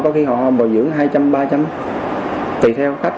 có khi họ bồi dưỡng hai trăm linh ba trăm linh tùy theo khách